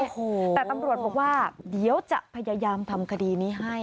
โอ้โหแต่ตำรวจบอกว่าเดี๋ยวจะพยายามทำคดีนี้ให้